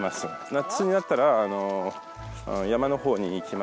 夏になったら山の方に行きますよ。